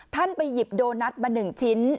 ท่านไปหยิบโดนัทมาหนึ่งชิ้น